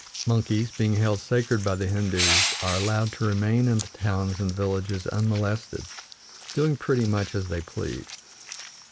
Monkeys, being held sacred by the Hindoos, are allowed to remain in the towns and villages unmolested, doing pretty much as they please.